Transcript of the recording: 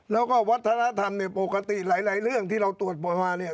แล้วก็วัฒนธรรมเนี่ยปกติหลายเรื่องที่เราตรวจบ่อยมาเนี่ย